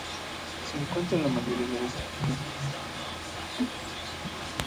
Se encuentran en la mayoría de las articulaciones.